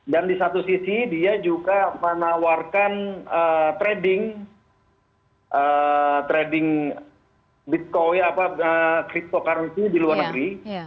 dan di satu sisi dia juga menawarkan trading trading bitcoin apa cryptocurrency di luar negeri